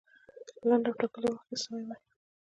لنډ او ټاکلي وخت کې سوی وای.